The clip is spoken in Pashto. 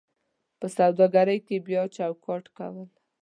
په سوداګرۍ کې بیا چوکاټ کول: